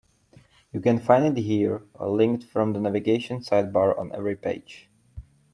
You can find it here, or linked from the navigation sidebar on every page.